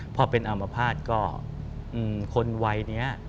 พอเป็นอามภาษณ์ก็คนวัยนี้